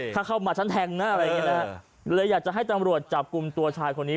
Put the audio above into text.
ถ้าเข้ามาฉันแทงนะอะไรอย่างนี้นะฮะเลยอยากจะให้ตำรวจจับกลุ่มตัวชายคนนี้